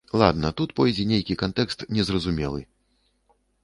Ладна, тут пойдзе нейкі кантэкст не зразумелы.